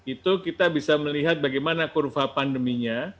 itu kita bisa melihat bagaimana kurva pandeminya